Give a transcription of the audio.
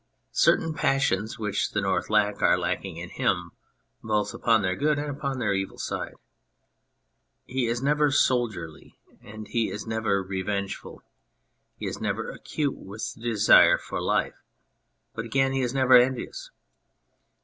Certain passions which the North lacks are lacking in him, both upon their good and upon their evil side. He is never soldierly, and he is never revengeful ; he is never acute with the desire for life, but, again, he is never envious.